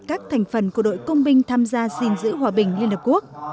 các thành phần của đội công binh tham gia xin giữ hòa bình liên hợp quốc